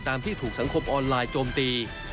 ที่ถูกสังคมออนไลน์โจมตี